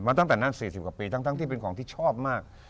ตั้งแต่นั้น๔๐กว่าปีทั้งที่เป็นของที่ชอบมาก